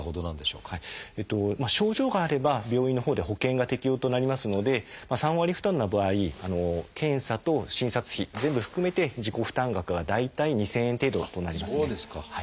症状があれば病院のほうでは保険が適用となりますので３割負担の場合検査と診察費全部含めて自己負担額が大体２，０００円程度となりますね。